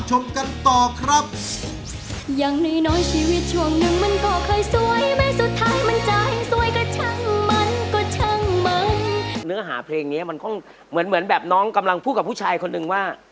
เนื้อหาเพลงนี้มันคงเหมือนแบบน้องกำลังพูดกับผู้ชายคนนึงว่า